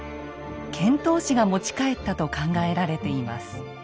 遣唐使が持ち帰ったと考えられています。